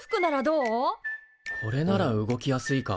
これなら動きやすいか。